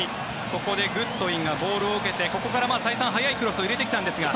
ここでグッドウィンがボールを受けてここから再三、速いクロスを入れてきたんですが。